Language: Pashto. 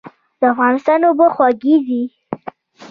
د افغانستان اوبه خوږې دي.